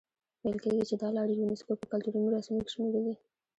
ویل کېږي چې دا لاره یونیسکو په کلتوري میراثونو کې شمېرلي.